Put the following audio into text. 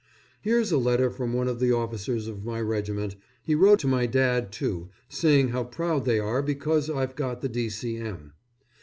Here's a letter from one of the officers of my regiment he wrote to my dad, too saying how proud they are because I've got the D.C.M.